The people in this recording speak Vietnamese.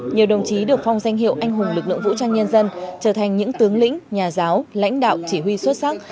nhiều đồng chí được phong danh hiệu anh hùng lực lượng vũ trang nhân dân trở thành những tướng lĩnh nhà giáo lãnh đạo chỉ huy xuất sắc